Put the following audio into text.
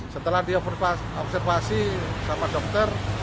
setelah dia observasi sama dokter